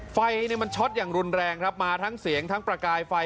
ไฟมันช็อตอย่างรุนแรงครับมาทั้งเสียงทั้งประกายไฟ